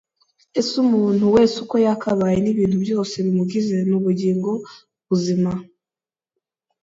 ese umuntu wese uko yakabaye n’ibintu byose bimugize ni ubugingo buzima